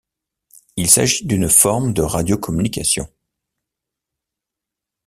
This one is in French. Il s'agit d'une forme de radiocommunication.